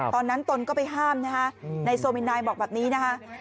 ตอนนั้นตนก็ไปห้ามนะคะในโซมินายบอกแบบนี้นะคะ